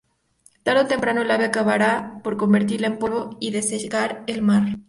Tarde o temprano, el ave acabará por convertirla en polvo y desecar el mar.